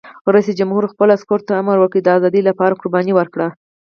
رئیس جمهور خپلو عسکرو ته امر وکړ؛ د ازادۍ لپاره قرباني ورکړئ!